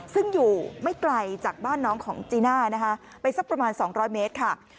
ซึ่งอยู่ไม่ไกลจากบ้านน้องของจีน่านะคะไปสักประมาณ๒๐๐เมตรค่ะ